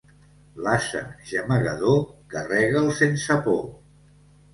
A l'ase gemegador, carrega'l sense por.